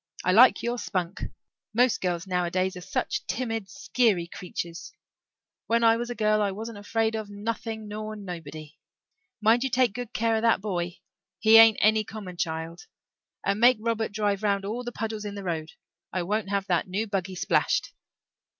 I like your spunk. Most girls nowadays are such timid, skeery creeturs. When I was a girl I wasn't afraid of nothing nor nobody. Mind you take good care of that boy. He ain't any common child. And make Robert drive round all the puddles in the road. I won't have that new buggy splashed."